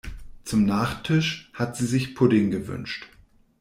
Zum Nachtisch hat sie sich Pudding gewünscht.